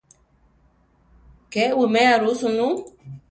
Ke wiméa ru sunú.